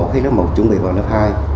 khi lớp một chuẩn bị vào lớp hai